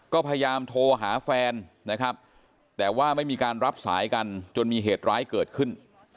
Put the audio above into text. ก็พยายามโทรหาแฟนนะครับแต่ว่าไม่มีการรับสายกันจนมีเหตุร้ายเกิดขึ้น